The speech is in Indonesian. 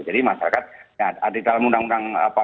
jadi masyarakat di dalam undang undang